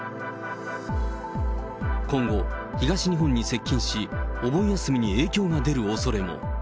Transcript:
今後、東日本に接近し、お盆休みに影響が出るおそれも。